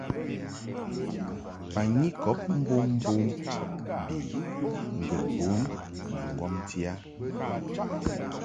Banyikɔb mbommbom bi ŋgəd bun ni ŋgɔmti a.